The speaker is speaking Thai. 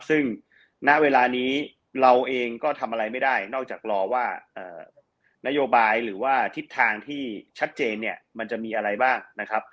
ซึ่งณเวลานี้เราเองก็ทำอะไรไม่ได้นอกจากรอว่านโยบายหรือว่าทิศทางที่ชัดเจนเนี่ยมันจะมีอะไรบ้างนะครับ